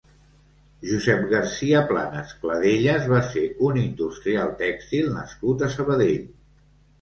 Josep Garcia-Planas Cladellas va ser un industrial tèxtil nascut a Sabadell.